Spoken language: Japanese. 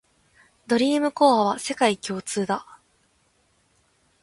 ドリームコアは世界共通だ